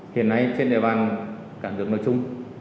hiện nay trên địa bàn cảng dưỡng nói chung